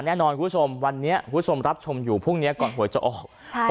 แน่นอนคุณผู้ชมวันนี้คุณผู้ชมรับชมอยู่พรุ่งนี้ก่อนหวยจะออกใช่